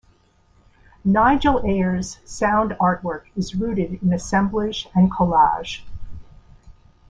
Nigel Ayers' sound art work is rooted in assemblage and collage.